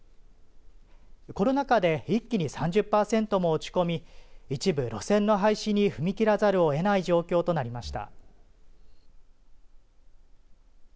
コロナ禍で一気に３０パーセントも落ち込み一部路線の廃止に踏み切らざるをえない状況となりました。